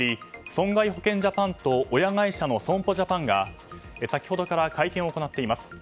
損害保険ジャパンと親会社の損保ジャパンが先ほどから会見を行っています。